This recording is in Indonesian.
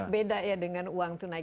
beda ya dengan uang tunai